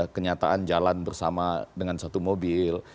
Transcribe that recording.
kenyataan jalan bersama dengan satu mobil